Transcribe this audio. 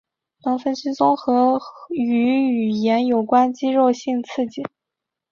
能分析综合与语言有关肌肉性刺激。